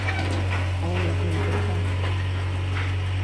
A on l'havien portat?